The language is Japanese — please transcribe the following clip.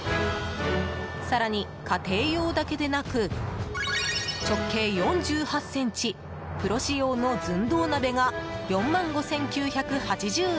更に、家庭用だけでなく直径４８ｃｍ、プロ仕様の寸胴鍋が４万５９８０円。